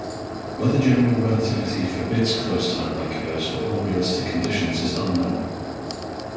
Whether general relativity forbids closed time-like curves for all realistic conditions is unknown.